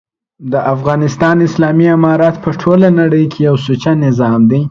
دافغانستان اسلامي امارت په ټوله نړۍ کي یو سوچه نظام دی